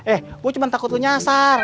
eh gue cuma takut lu nyasar